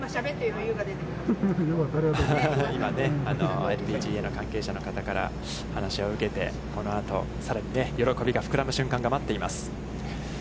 今、ＬＰＧＡ関係者の方から話を受けて、このあと、さらに喜びが膨らむ瞬間が待っています。